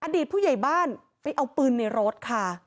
อดีตผู้ใหญ่บ้านไปเอาปืนในรถค่ะ